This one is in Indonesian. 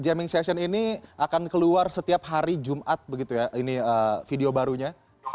jadi jamming session ini akan keluar setiap hari jumat begitu ya ini video barunya